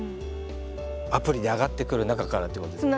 アプリで上がってくる中からってことですか。